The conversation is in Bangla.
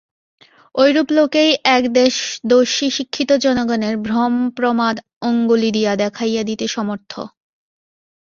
ঐরূপ লোকেই একদেশদর্শী শিক্ষিত জনগণের ভ্রমপ্রমাদ অঙ্গুলি দিয়া দেখাইয়া দিতে সমর্থ।